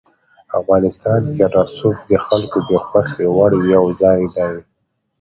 افغانستان کې رسوب د خلکو د خوښې وړ یو ځای دی.